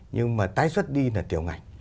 nhưng mà tái xuất đi là tiểu ngành